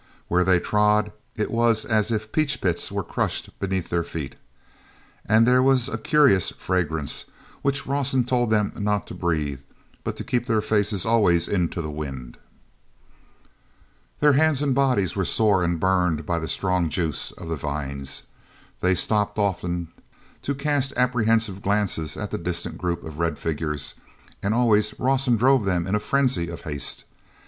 Where they trod it was as if peach pits were crushed beneath their feet. And there was a curious fragrance which Rawson told them not to breathe, but to keep their faces always into the wind. Their hands and bodies were sore and burned by the strong juice of the vines. They stopped often to cast apprehensive glances at the distant group of red figures, and always Rawson drove them in a frenzy of haste.